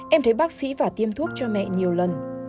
em thấy bác sĩ và tiêm thuốc cho mẹ nhiều lần